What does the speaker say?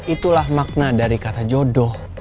itulah makna dari kata jodoh